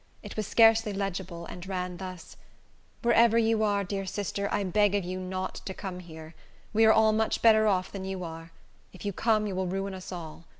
It was scarcely legible, and ran thus: "Wherever you are, dear sister, I beg of you not to come here. We are all much better off than you are. If you come, you will ruin us all.